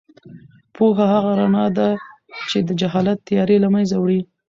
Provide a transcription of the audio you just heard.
پوهه هغه رڼا ده چې د جهالت تیارې له منځه وړي.